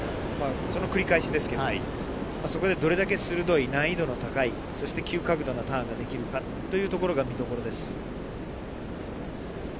その繰り返しですけど、そこでどれだけ鋭い、難易度の高い、そして急角度のターンができるかというところが見どころです。